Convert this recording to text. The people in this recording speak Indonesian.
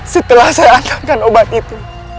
setelah saya akankan obat itu